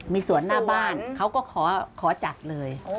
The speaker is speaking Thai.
มีสวนหน้าบ้านเขาก็ขอจัดเลย